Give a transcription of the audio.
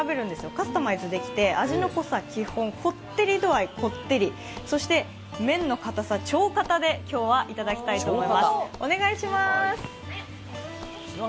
カスタマイズできて、味の濃さ、基本、こってり度合い、こってり、そして麺のかたさ、超かたでいただきたいと思います。